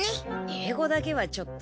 英語だけはちょっと。